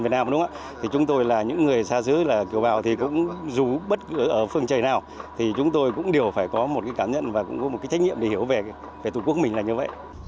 việt nam đúng không ạ thì chúng tôi là những người xa xứ là kiều bào thì cũng dù bất cứ ở phương trời nào thì chúng tôi cũng đều phải có một cái cảm nhận và cũng có một cái trách nhiệm để hiểu về tổ quốc mình là như vậy